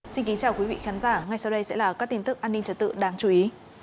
xin kính chào quý vị khán giả ngay sau đây sẽ là các tin tức an ninh trật tự đáng chú ý